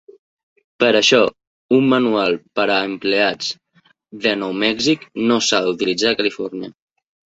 Per això, un manual per a empleats de Nou Mèxic no s'ha d'utilitzar a Califòrnia.